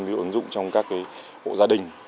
ví dụ ứng dụng trong các bộ gia đình